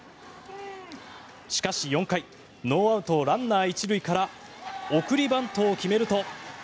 しかし４回ノーアウト、ランナー１塁から送りバントを決めると。